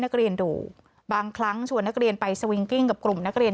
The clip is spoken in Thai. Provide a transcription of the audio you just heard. ดูบางครั้งชวนนักเรียนไปสวิงกิ้งกับกลุ่มนักเรียน